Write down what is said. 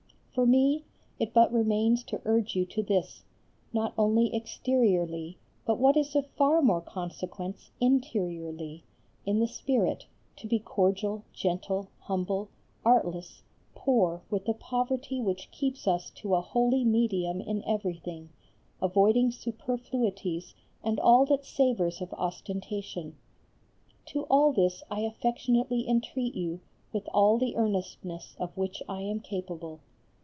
For me, it but remains to urge you to this, not only exteriorly, but what is of far more consequence, interiorly, in the spirit, to be cordial, gentle, humble, artless, poor with a poverty which keeps us to a holy medium in everything, avoiding superfluities and all that savours of ostentation. To all this I affectionately entreat you with all the earnestness of which I am capable.